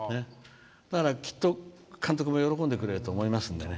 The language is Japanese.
だからきっと監督も喜んでくれると思いますからね。